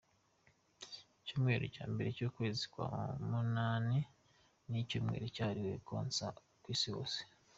Icyumweru cya mbere cy’ukwezi kwa munani ni icyumweru cyahariwe konsa ku isi hose.